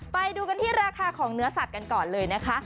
ไปดูกันที่ราคาของเนื้อสัตว์กันก่อนเลยนะคะ